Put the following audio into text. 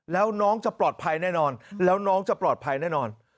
แล้วน้องจะปลอดภัยแน่นอนแล้วน้องจะปลอดภัยแน่นอน